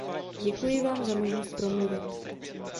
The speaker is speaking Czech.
Děkuji vám za možnost promluvit.